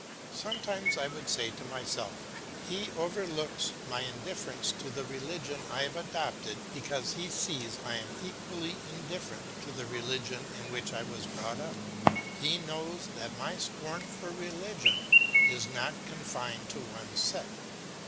Sometimes I would say to myself, he overlooks my indifference to the religion I have adopted because he sees I am equally indifferent to the religion in which I was brought up; he knows that my scorn for religion is not confined to one sect.